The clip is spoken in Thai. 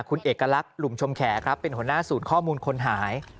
คุณเอกลักษณ์หลุมชมแขครับเป็นหัวหน้าศูนย์ข้อมูลคนหาย